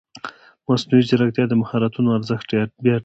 مصنوعي ځیرکتیا د مهارتونو ارزښت بیا ټاکي.